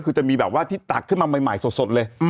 คือจะมีแบบว่าที่ตักขึ้นมาใหม่สดเลย